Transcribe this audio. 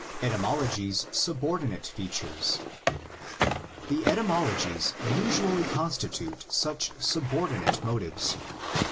ETYMOLOGIES SUBORDINATE FEATURES. The etymologies usually constitute such subordi nate motives.